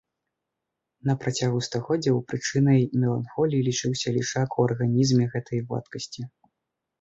На працягу стагоддзяў прычынай меланхоліі лічыўся лішак у арганізме гэтай вадкасці.